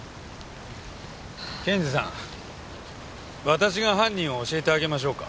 検事さん私が犯人を教えてあげましょうか？